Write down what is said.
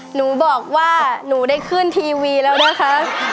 หนูบอกว่าหนูได้ขึ้นทีวีแล้วนะคะ